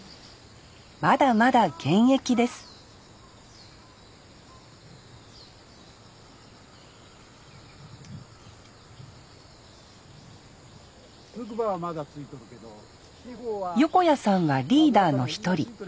まだまだ現役です横家さんはリーダーの一人。